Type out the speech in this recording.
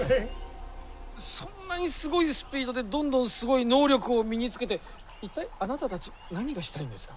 そんなにすごいスピードでどんどんすごい能力を身につけて一体あなたたち何がしたいんですか？